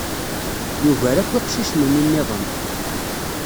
Yugar akk iqcicen-nni niḍen.